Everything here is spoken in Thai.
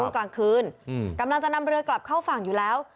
กลางคืนกำลังจะนำเรือกลับเข้าฝั่งอยู่แล้ว